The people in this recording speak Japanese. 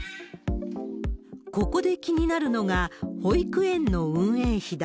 ここで気になるのが、保育園の運営費だ。